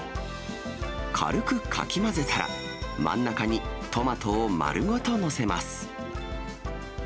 軽くかき混ぜたら、真ん中にトマトを丸ごと載せます。